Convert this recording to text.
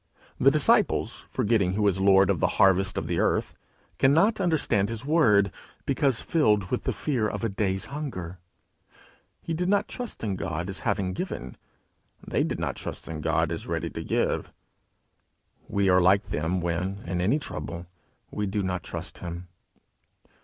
The disciples, forgetting who is lord of the harvests of the earth, cannot understand his word, because filled with the fear of a day's hunger. He did not trust in God as having given; they did not trust in God as ready to give. We are like them when, in any trouble, we do not trust him.